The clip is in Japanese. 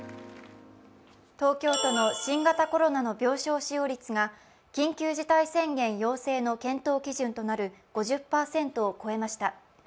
東京都の新型コロナの病床使用率が緊急事態宣言要請の検討基準となる５０％を超えました。